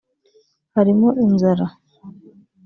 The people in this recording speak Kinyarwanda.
harimo inzara